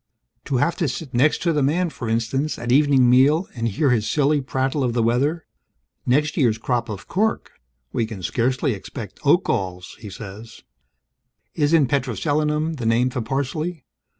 To have to sit next to the man, for instance, at evening meal and hear his silly prattle of the weather. Next year's crop of cork: we can scarcely expect oak galls, he says. Isn't petroselinum the name for parsley?